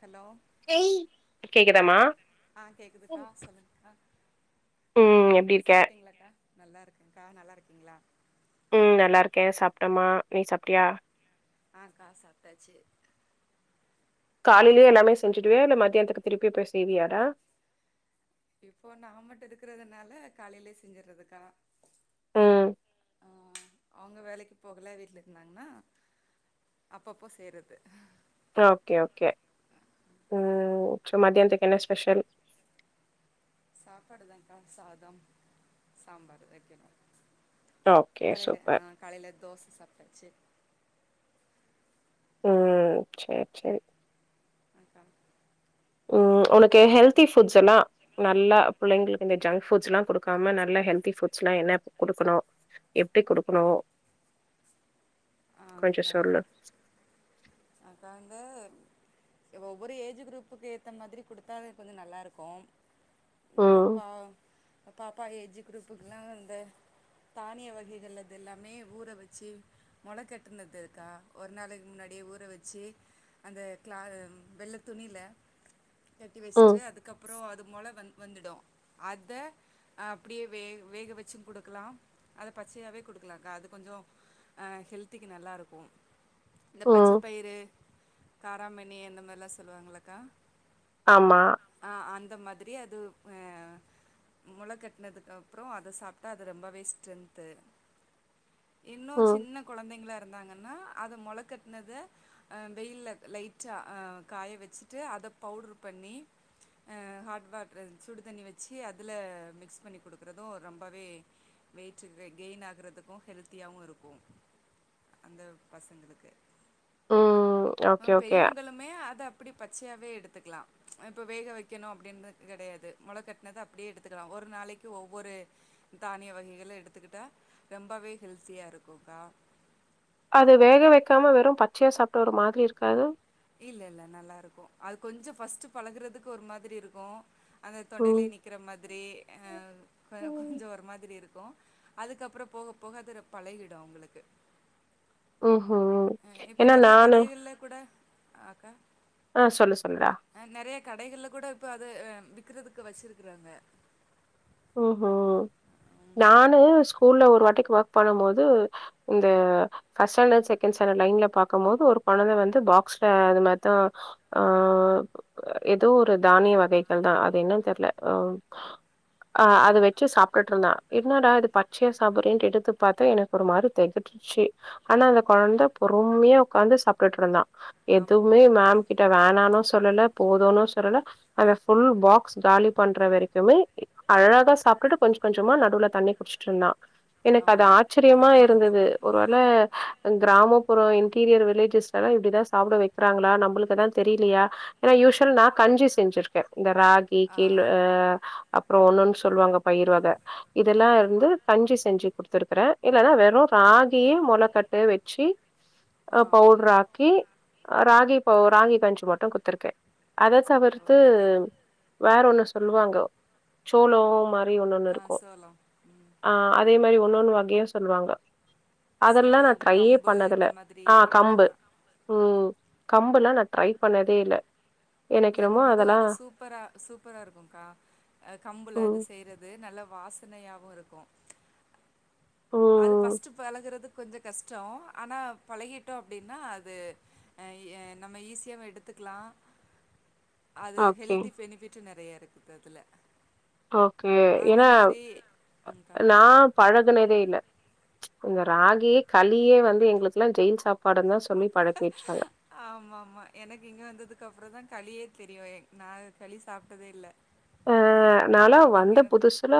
Hello கேக்குதாமா ஆ கேக்குதுக்கா சொல்லுங்க்கா ம் எப்டி இருக்க நல்லாருக்கங்க்கா, நல்லாருக்கீங்ளா? ம் நல்லாருக்கே, சாப்ட்டமா. நீ சாப்ட்டியா? ஆ கா சாப்ட்டாச்சு காலைலே எல்லாமே செஞ்சிடுவியா இல்ல மத்யானத்துக்கு திருப்பி போய் செய்வியாடா இப்போ நா மட்டு இருக்கறதுனால காலைலே செஞ்சர்றதுக்கா ம் அ அவுங்க வேலைக்கு போகல வீட்லருந்தாங்னா அப்பப்போ செய்றது ப்றோ ஓகே ஓகே ம் சோ மத்யான்த்துக்கு என்ன ஸ்பெஷல்? சாப்பாடுதாங்க்கா சாதம், சாம்பார் வெக்கணு ஓகே காலைல ஆ சூப்பர் காலைல தோச சாப்ட்டாச்சு ம் சேர் செரி அக்கா ம் உனக்கு ஹெல்தி ஃபுட்ஸ் எல்லா நல்லா பிள்ளைங்களுக்கு இந்த ஜங்க் ஃபுட்ஸ்ல்லா குடுக்காம நல்லா ஹெல்தி ஃபுட்ஸ்லா என்ன குடுக்கணு, எப்டி குடுக்கணு? ஆ கொஞ்சோ அக்கா சொல்லு அக்கா வந்து ஒவ்வொரு ஏஜு குரூப்புக்கேத்த மாதிரி குடுத்தாவே கொஞ்சோ நல்லாருக்கு இப்போ ம் பா அப்பாப் அப்பா ஏஜு குரூப்புக்கெலா அந்த, தானிய வகைகள் அது எல்லாமே ஊற வெச்சி மொளக்கட் ட்டுனதுக்கா ஒரு நாளைக் முன்னாடியே ஊற வெச்சி அந்த க்ளா அ ம் வெள்ள துணில கட்டி ம் வெச்ட்டு அதுக்கப்றோ அது மொள வந் வந்துடு அத அப்டியே வே வேக வச்சு குடுக்கலா அத பச்சையாவே குடுக்கலாக்கா அது கொஞ்சோ அ ஹெல்த் துக்கு நல்லாருக்கு இந்த ம் பச்சப்பயிறு, கா ராமணி அந்த மார்லா சொல்லுவாங்கல்லக்கா ஆமா ந்த மாதிரி அது அ மொள கட்னதுக்கப்றோ அத சாப்ட்டா அது ரெம்பவே ஸ்ட்ரென்த்து இன்னு ம் சின்ன தைங்களா இருந்தாங்கன்னா அத மொளக்கட்னத அ வெயில்ல லைட்டா அ காய வெச்சிட்டு அத பவுட்ரு பண்ணி அ ஹாட் வாட்ரு சுடு தண்ணி வெச்சி அதுல மிக்ஸ் பண்ணி குடுக்கறது ரொம்பவே வெய்ட்டுக்கு க கெய்ன் ஆகறதுக்கு ஹெல்த்தியாவு இருக்கு அந்த பசங்களுக்கு ம் ஆ ஓகே ஓகே பெரியவங்களுமே அத ப்டி பச்சையாவே எடுத்துக்கலா இப்ப வேக வெக்கணு அப்டின்னு கெடையாது மொளக்கட்னது அப்டியே எடுத்துக்கலா ஒரு நாளைக்கு ஒவ்வொரு தானிய வகைகள எடுத்துக்கிட்டா ரெம்பவே ஹெல்த்தியா இருக்குக்கா அது வேக வெக்காம வெறும் பச்சையா சாப்ட்டா ஒரு மாதிரி இருக்காது இல்லல்ல நல்லாருக்கோ அது கொஞ்சோ ஃபஸ்ட்டு பழகறதுக்கு ஒரு மாதிரி இருக்கு அந்த ம். தொண்டையிலியே நிக்கிற மாதிரி அ கொஞ்ஜோ ஒரு மாதிரி இருக்கு க்கும் அதுக்கப்றோ போக போக அது பழகிடும் உங்குளுக்கு ம் ம் என்ன நானு கடைகள்ல கூட ஆ கா ஆ சொல்லு சொல்லு றா கடைகள்ல கூட இப்ப அத விக்குறதுக்கு வச்சிருக்குறாங்க உம் ம் நானு ஸ்கூல்ல ஒரு வாட்டிக்கு ஒர்க் பண்ணு போது இந்த ஃபர்ஸ்ட் ஸ்டாண்டர்டு செக்கெண்ட் ஸ்டாண்டர்டு லைன்ல பாக்கும் போது ஒரு கொழந்த வந்து பாக்ஸ்ல அது மாரி தா ஆ எதோ ஒரு தானிய வகைகள் தா அது என்னனு தெரில ஆ அத வச்சு சாப்ட்டுட்டு இருந்தா என்னாடா இது பச்சையா சாப்டுரியே கேட்டு எடுத்து பாத்தா எனக்கு ஒரு மாரி தெகட்டுச்சு ஆனா அந்த கொழந்த பொறுமையா உட்காந்து சாப்ட்டுட்டு இருந்தா ஆமா எதுவுமே மேம் கிட்ட வேணா ஒன்னு சொல்லல போதுனு சொல்லல அந்த ஃபுல் பாக்ஸ் காலி பண்ற வரைக்குமே அழகா சாப்ட்டுட்டு கொஞ்ஜோ கொஞ்சமா நடுவுல தண்ணி குடிச்சுட்டு இருந்தா எனக்கு அது ஆமா ஆச்சிரியமா இருந்தது ஒரு வேள கிராமபுறோ டீரியர் வில்லேஜ்ஸ்லலா இப்டி தா சாப்பிட வைக்கிறாங்களா நம்ளுக்கு தா தெரியிலயா ஏனா யூஸ்வலா நா கஞ்சி செஞ்சிருக்கே இந்த ராகி ஆ கேலு அ அப்றோ ஒன்னொன்னு சொல்வாங்க பயிர் வக இதெல்லா இருந்து கஞ்சி செஞ்சு குடுத்துருக்குறே இல்லனா வெறு ராகியு மொளக்கட்டயு வச்சு ஆ பவுடுரு ஆக்கி ராகி ப்போ ராகி கஞ்சு மட்டு குத்துருக்கே அதாது சா வர்த்து ஓகேக்கா வேற ஒன்னு சொல்லுவாங்கோ ஜோலோ மத் தை ஒன்னொன்னு ஆ இருக்கு சோளம் ம் ஆ அதே மரி ஒன்னொன்னு வகையு சொல்வாங்க அதெல்லா நா சோளம் ட்ரையே கம்பு பண்ணதல்ல இந்த மாதிரி ஆ கம்பு எடுத்துக்கலா ம் கம்புலா நா ட்ரை பண்ணதே இல்ல எனக்கு இல்ல என்னமோ கம்பு அதெல்லா அது சூப்பரா சூப்பரா இருக்கும் கா அ கம்புல ம் அது செய்றது நல்ல வாசனையாவு ‌ இருக்கு அது ம் ஃபர்ஸ்ட் பழகுறது கொஞ்சோ கஷ்டோ ஆனா பழகிட்டோ அப்டினா அது எ-எ நம்ம ஈஸியாவே எடுத்துக்குலா அது ஓகே ஹெல்த்தி ஃபெனிபிட் நறைய இருக்கறதுல ஓகே ஏனா ம்க்கா நா பழகுனதே இல்ல இந்த ராகியே களியே வந்து எங்ளுக்கெல்லா ஜெயில் சாப்பாடுனு தா சொ ஆமாம்மா எனக்கு இங்க வந்ததுக் அப்புறோதா கலியே தெரியுவே நா களி சாப்ட்டதே இல்ல அ நாலா இ இங்க வந்த புதுசுல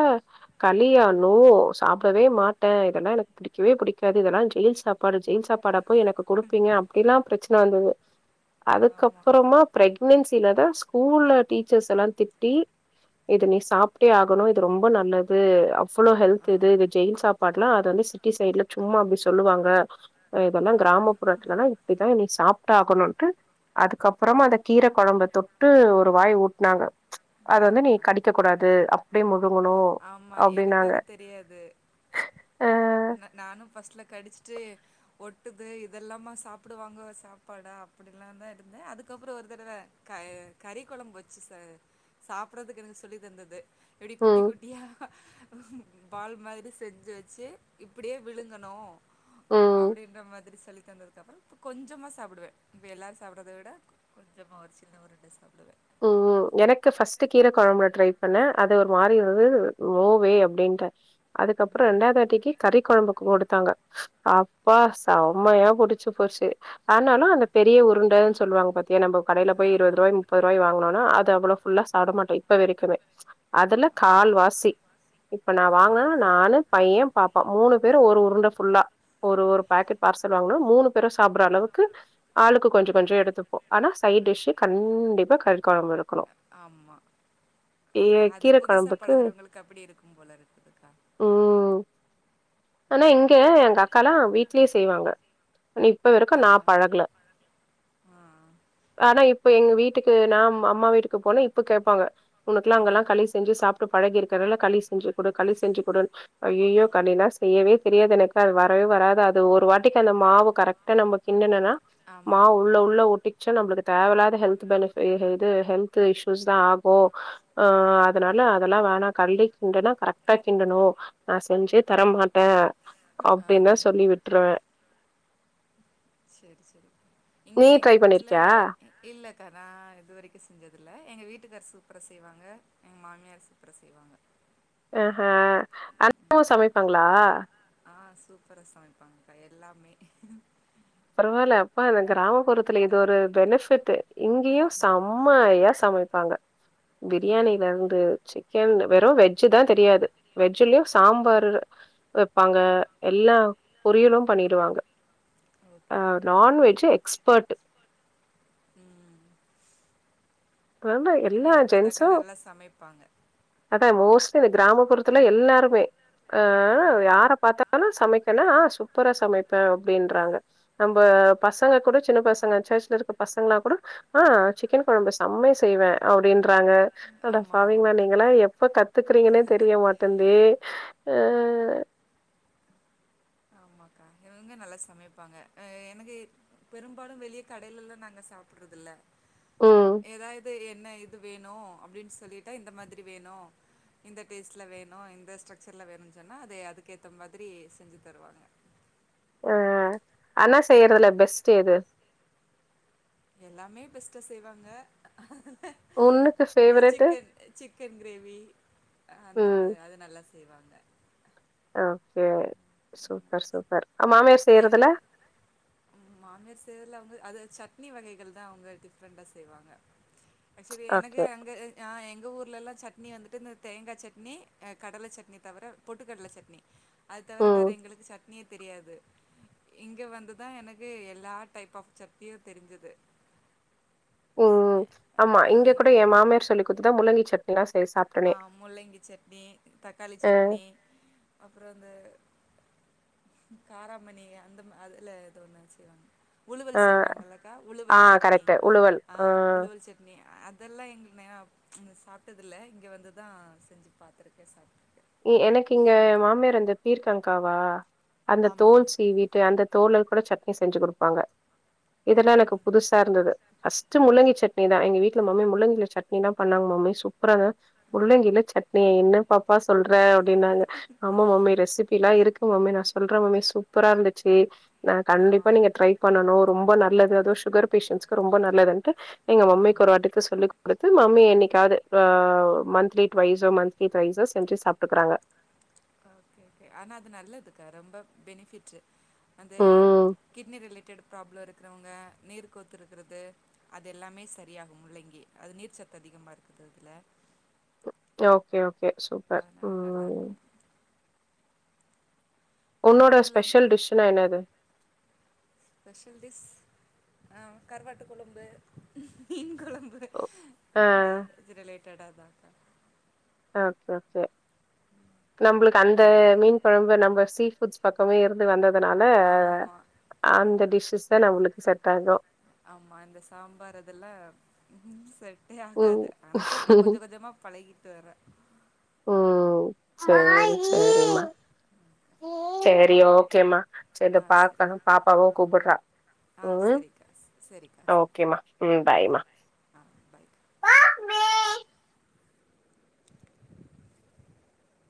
களியா னூ சாப்டவே மாட்டே இதெல்லா எனக் பிடிக்கவே பிடிக்காது இதெல்லா ஜெயில் சாப்பாடு ஜெயில் சாப்பாடா போய் எனக்கு குடுப்பீங்க அப்டிலா பிரச் நல்லது ஆமா அதுக்கப்பறமா பிரெக் ன்னுசில தா ஸ்கூல்ல டீச்சர்ஸ் எல்லா திட் டி இத நீ சாப்டே ஆகணு இது ரொம்ப நல்லது அப் ஃபுல்லோ ஆ கெல்த்யிது இது ஜெயில் சாப் பட்லா அது வந்து சிட்டி சைடுல சும்மா அப்டி சொல்லுவாங்க இதெல்லா ஆ கிராமப்புறத்துலல்லா இப்டித்தா நீ சாப் ட்டா ஆகுணுட்டு அதுக்கப்புறமா அந்த கீர குழம்ப தொட்டு ஒரு வாய் ஊட்னாங்க அத வந்து நீ ஆக்கா கடிக்க கூடாது டே மும் ஆமா எனக்கு அது தெரியாது அ ந-நானு பஸ்ட்ல கடிச்சுட்டு ஒட்டுது இதெல்லாமா சாப்புடுவாங்க சாப்பாடா அப்டிலா தா இருந்தே அதுக்கப்புறோ ஒரு தடவ க-கறி கொழம்பு வச்சு ச-சாப்புடறதுக்கு எனக்கு சொல்லி தந்தது எப்டி குட்டி ம் குட் அப்டியா ம் பால் மாதிரி செஞ்சி வெச்செ இப்பிடியே விழுங்கணு ம் அப்டின்ற மாதிரி சொல்லி [unintelligible] கொஞ்சமா சாப்புடுவே இப்ப எல்லாரு சாப்பிடறத விட கொஞ்சமா ஒரு சின்ன உருண்ட சாப்புடுவே உம் எனக்கு ஃபஸ்ட்டு கீர குழம்புல ட்ரை பண்ணே அது ஒரு மாரி இருந்துது நோவே அப்டின்ட்ட அதுக்கப்புறோ ரெண்டாது வாட்டிக்கு கறிக் குழம்புக் குடுத்தாங்க அப்பா செம்மையா புடிச்சு போச்சு ஆனாலு அந்த பெரிய உருண்ட சொல்லுவாங்க பாத்தியா நாம்ப கடையில போய் இருவது ஆமா ரூபாய் முப் போனான அத அவ்ளோ ஃபுல்லா சாப்ட மாட்டோ இப்ப வரைக்குமே அதுல ஆ கால்வாசி இப்ப நா ஆமா வாங்குன்னா நானு பைய பாப்பா மூணு பேரு ஒரு உருண்ட ஃபுல்லா ஒரு ஒரு பாக்கெட் பார்சல் வாங்குனா மூணு பேரும் சாப்புற அளவுக்கு ஆளுக்கு கொஞ்ச கொஞ்ச எடுத்துப்போ ஆனா சைட் டிஷ் கண்டிப் ப்பா கறி கொழம்பு தா ஆமா அது கீர புதுசா கொழம்புக்கு பழகுறவங்களுக்கு அப்பிடி இருக்கும் போல்ல [unintelligible] ம் ஆனா இங்க எங்க அக்கால்லா வீட்லியே செய்வாங்க இப்ப வருக்கு ஆ நா பழகுல ஆ ஆனா இப் இப்ப எங்க வீட் வீட்டுக்கு நா அம் அம்மா வீட்டுக்கு போனா இப்ப கேப்பாங்க உனக்குல ஆ அங்குல்லா களி செஞ்சு சாப் பழகி இருக்கிறால களி செஞ்சு கொடு களி செஞ்சு கொடு ஐயையோ களிலா செய்யவே தெரியாது எனக்கு அது வரவே வராது அது ஒரு வாட்டிக்கு அந்த மாவு கரெக்டா நம்ம கிண்டனுனா ஆமா மாவு உள்ள உள்ள ஒட்டிக் சோ நமக்கு தேவல்லாத ஹெல்த் இது ஹெல்த் இஷ்யூஸ் தா ஆகு ஆஹ் அதனால அதெல்லா வேணாம் களி கிண்டனா கரெக்டா கிண்டணு நா செஞ்சே தரமாட்டே ஆ அப்படின்னா சொல்லி விட்ருவே சரி சரி இங்க நீ எங்க ட்ரை வீட்டுல பண்ணிருக்கியா இல்ல அக்கா நா இது வரைக்கு செஞ்சதில்ல எங்க வீட்டுக்கார் சூப்பரா செய்வாங்க எங்க மாமியார் சூப்பரா செய்வாங்க அஹ்ஹ அண்ணனு சமைப்பாங்களா ஆஹ் சூப்பரா சமைப்பாங்கக்கா எல்லாமே பரவால்ல அப்பா அந்த கிராமப்புறத்துல இது ஒரு பெனிஃபிட் இங்கயு செம்மையா சமைப்பாங்க ம் பிரியாணில இருந்து சிக்கன் வெறு வெஜ்ஜுதா தெரியாது வெஜ்ஜுலயும் சாம்பார் வைப்பாங்க எல்லா பொரியலும் பண்ணிடுவாங்க ஓகே ஹாம் ஓகே நான்வெஜ்ஜ் எக்ஸ் பெட்டு ம் ந்து எல்லா இங்கயு அப்படிதாக்கா ஜென்ட்ஸு நல்லா சமைப்பாங்க அதா மோஸ் இந்த கிராமப்புறத்துல எல்லாருமே ஆஹ் ஆமா யார பார்த்தாலு சமைக்கனா சூப்பரா சமைப்பே அப்படின்றாங்க நம்ம பசங்க கூட சின்ன பசங்க சர்ச்ல இருக்க பசங்களா கூட ஆஹ் சிக்கன் கொழம்பு செமயா செய்வேன் அப்படின்றாங்க அட ஆமா ஆமா பாவிங்களா நீங்களா எப்ப கத்துக்கறீங்கன்னே தெரிய மாட்டேன் ஏய் அஹ் ஆமாக்கா இவங்க நல்லா சமைப்பாங்க அ எனக்கு பெரும்பாலும் வெளியே கடயிலெல்லா நாங்க சாப்பிட்றதில்ல ம் ஏதாயிது ஏன் என்ன இது வேணு அப்படின்னு சொல்லிட்டா இந்த மாதிரி வேணு இந்த டேஸ்ட்டில் வேணு இந்த ஸ்ட்ரக்சர்ல வேணு சொன்னா அத அதுக்கேத்த மாதிரி செஞ்சு தருவாங்க அஹ் அண்ணா செய்யறதுல பெஸ்ட் எது எல்லாமே பெஸ்ட்டா செய்வாங்க உன்னுக்கு அ ஃபேவரெட்டு சிக்கன் சிக்கன் கிரேவி அந்த ம் மாரி அது நல்லா செ செய்வாங்க ஓகே சூப்பர் சூப்பர் உ மாமியார் ஏன் செய்யறதுல மாமியார் செய்றதுல அவங்க அது சட்னி வகைகள் தா அவங்க டிஃப்ரெண்ட்டா செய்வாங்க ஆக்சுவலி எனக்கு ஓகே அங்க அ எங் எங்க ஊர்லல்லா சட்னி வந்துட்டு இந்த தேங்கா சட்னி அ கடலை சட்னி தவிர பொட்டுக்கடலை சட்னி அது தவிர ம் வேற எங்களுக்கு சட்னி தெரியாது இங்க வந்துதா எனக்கு எல்லா டைப் ஆஃப் சட்னியு தெரிஞ்சது உம் ஆமா இங்க கூட என் மாமியார் சொல்லிக் குத் அத்தா முள்ளங்கி சட்னிதா ஆஹ முள்ளங்கி சட்னி தக்காளி அ சட்னி அப்புறோ அந்த. காராமணி அந்த அதுல எது ஒண்ணு செய்வாங்க. அ உழுவல் சொல்லுவாங்களக்கா ஆ உழுவல் சட்னி கரெக்ட்டு உழுவல் ஆ ஆஹ உழுவல் சட்னி அது. இதெல்லா எங்கல்ல சாப்பிட்டதுல்ல. இங்கே வந்துதா செஞ்சு பாத்துருக்கே சாப்பிட்டு. எ எனக்கு இங்க மாமியார் அந்த பீர்கக்கங்காவா. அந்த ஆமா தோல் ஆமா சீவிட்டு அந்த தோல. ல சட்னி செஞ்சு குடுப்பாங்க. ஆ இதெல்லா எனக்கு புதுசா இருந்தது ஃபர்ஸ்ட்டு முள்ளங்கி சட்னி தா எங்க வீட்டுல மம்மி முள்ளங்கிள சட்னிலா பண்ணாங்க மம்மி சூப்பரா முள்ளங்கில சட்னியா என்னப்பாப்பா சொல். லுர அப்டின்னாங்க ஆமா மம்மி ரெசிபி எல்லா இருக்கு. மம்மி நா சொல்றே மம்மி சூப்பரா இருந்துச்சு. நா ஆ கண்டிப்பா நீங்க ட்ரை பண்ணனு. ரொம்ப நல்லது அது சுகர் பேஷன்ட்ஸ்கு ரொம்ப நல்லதுன்னுட்டு. எங்க மம்மிக்கு ஆமா ஒரு வாட்டிக்கு சொல்லிக் குடுத்து நா நீ என்னைக்காவது அ மந்த்லி ட்டுவைஸ் மந்த்லி திரைஸஸ். செஞ்சு சாப்பிட்டுக்குறாங்க. ஓகே ஓகே ஆனா அது நல்லதுக்கா ரொம்ப பெனிபிட். அந்த ம் கிட்னி ரிலேட்டடு ப்ராப்ளம் இருக். இருக்கறவங்க நீர் கோத்துருக்கிறது அது எல்லாமே சரியாகு முள்ளங்கி அது நீர் சத்து அதிகமா இருக்குது அதுல. Okay கே சூப்பர் அதனால உம். நல்லாருக்கும் அது மட்டு ஸ்பெஷல் இல்லாம டிஷ்னா என்னது ஸ்பெஷல் டிஷ் ஆஹ் கருவாட்டு குழம்பு மீன் குழம்பு. ஒ ஆ நான்வெஜ் ரிலேட்டடு. லேட்டாதாக்கா. ஓகே ஓகே நம்மளுக்கு அந்த மீன் குழம்பு நம்ம சீஃபுட்ஸ் பக்கமே இருந்து வந்த. அதனால ஆமா அந்த டிஸ்ஷஸ். தா நம்மளுக்கு செட் ஆகும். ஆமா இந்த சாம்பார் இதெல்லாம் செட். செட்டே ம் ஆகாது ஆனா இப்ப கொஞ்சம் கொஞ்சமா பழகிட்டு வரறேன். சரி சரி. சரி ஓகேமா. சரி ஆ சரிக்கா பாக்கனும் பாப்பாவும் கூப்பிடுறா. ஆ உம் சரிக்கா சரிக்கா சரி ஓகேம்மா உம் ஆ பாய்மா. ஆ பாய்க்கா